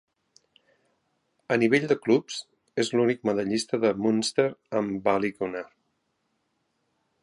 Al nivell de clubs, és l'únic medallista de Munster amb Ballygunner.